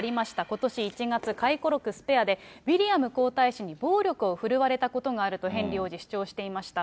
ことし１月、回顧録スペアで、ウィリアム皇太子に暴力を振るわれたことがあるとヘンリー王子、主張していました。